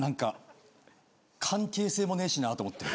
関係性もねえしなと思って。